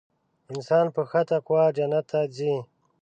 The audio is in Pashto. انسان په ښه تقوا جنت ته ځي .